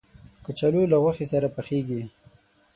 کچالو له غوښې سره پخېږي